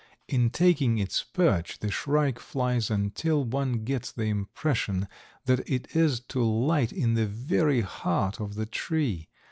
In taking its perch the shrike flies until one gets the impression that it is to light in the very heart of the tree.